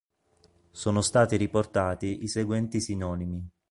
Sono stati riportati i seguenti sinonimi.